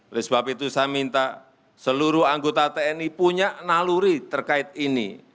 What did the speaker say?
oleh sebab itu saya minta seluruh anggota tni punya naluri terkait ini